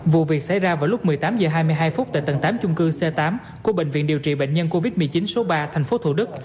vụ việc xảy ra vào lúc một mươi tám h hai mươi hai phút tại tầng tám chung cư c tám của bệnh viện điều trị bệnh nhân covid một mươi chín số ba tp thủ đức